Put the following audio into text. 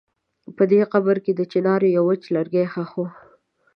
په دې قبر کې د چنار يو وچ لرګی ښخ و.